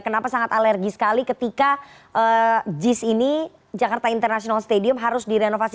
kenapa sangat alergi sekali ketika jis ini jakarta international stadium harus direnovasi